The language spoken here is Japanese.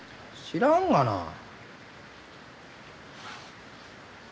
知らんがな。